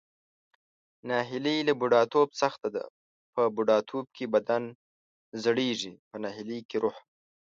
ناهیلي له بوډاتوب سخته ده، په بوډاتوب کې بدن زړیږي پۀ ناهیلۍ کې روح.